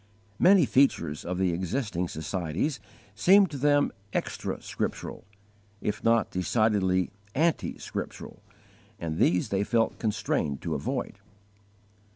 Many features of the existing societies seemed to them extra scriptural, if not decidedly anti scriptural, and these they felt constrained to avoid.